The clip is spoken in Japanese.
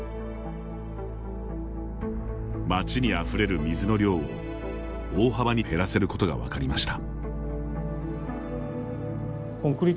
街にあふれる水の量を、大幅に減らせることが分かりました。